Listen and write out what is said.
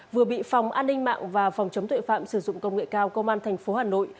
vừa bị phòng an ninh mạng và phòng chống tuệ phạm sử dụng công nghệ cao công an tp hà nội